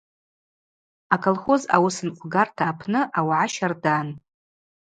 Аколхоз ауысынкъвгарта апны аугӏа щардан.